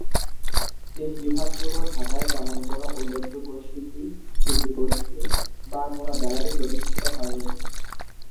দেশবিভাগপূর্ব ঢাকায় তেমন কোনো উল্লেখযোগ্য শিল্পী, শিল্পিগোষ্ঠী বা কোনো গ্যালারি প্রতিষ্ঠিত হয় নি।